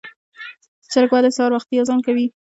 چرګ ولې سهار وختي اذان کوي؟